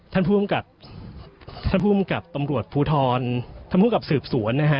ท่านผู้กำกับท่านภูมิกับตำรวจภูทรท่านภูมิกับสืบสวนนะฮะ